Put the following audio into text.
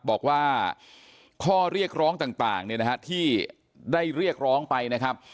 บอกว่าข้อเรียกร้องต่างต่างเนี่ยนะฮะที่ได้เรียกร้องไปนะครับ